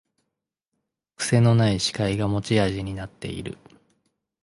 くせのない司会が持ち味になってる